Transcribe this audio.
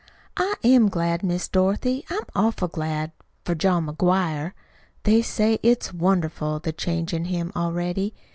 "I am glad, Miss Dorothy. I'm awful glad for John McGuire. They say it's wonderful, the change in him already.